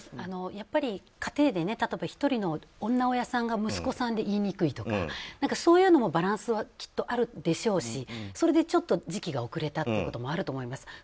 やっぱり家庭で例えば、１人の女親さんで息子さんで言いにくいとかそういうのもバランスはきっとあるでしょうしそれで時期が遅れたってこともあると思います。